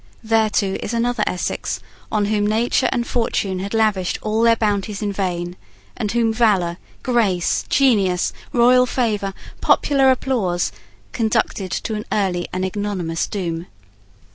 There, too, is another Essex, on whom nature and fortune had lavished all their bounties in vain, and whom valour, grace, genius, royal favour, popular applause, conducted to an early and ignominious doom.